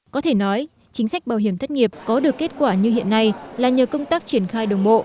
có thể nói chính sách bảo hiểm thất nghiệp có được kết quả như hiện nay là nhờ công tác triển khai đồng bộ